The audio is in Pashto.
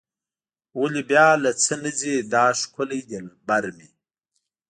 ولې بیا له څه نه ځي دا ښکلی دلبر مې.